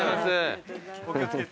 お気を付けて。